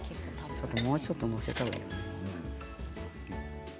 もうちょっと載せた方がいいかな？